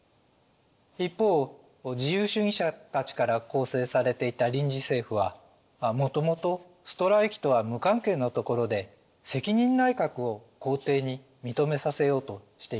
一方自由主義者たちから構成されていた臨時政府はもともとストライキとは無関係なところで責任内閣を皇帝に認めさせようとしていました。